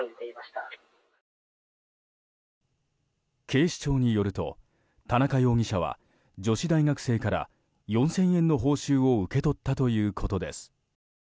警視庁によると田中容疑者は女子大学生から４０００円の報酬を受け取ったということです。